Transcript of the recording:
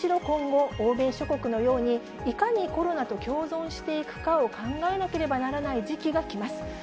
今後、欧米諸国のように、いかにコロナと共存していくかを考えなければならない時期が来ます。